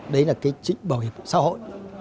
đấy là cái chính bảo hiểm của xã hội